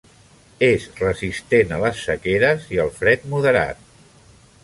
És resistent a les sequeres i el fred moderat.